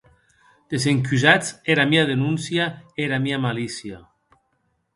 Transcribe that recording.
Desencusatz era mia denoncia e era mia malicia.